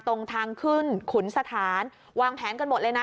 ตรงทางขึ้นขุนสถานวางแผนกันหมดเลยนะ